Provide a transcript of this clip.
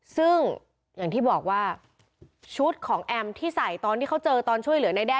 ซึ่งอย่างที่บอกว่าชุดของแอมที่ใส่ตอนที่เขาเจอตอนช่วยเหลือนายแด้